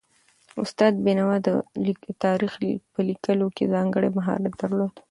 استاد بینوا د تاریخ په لیکلو کې ځانګړی مهارت درلود